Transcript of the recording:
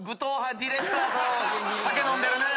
酒飲んでるね。